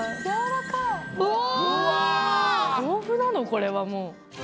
これはもう。